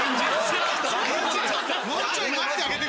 もうちょい待ってあげてくれ。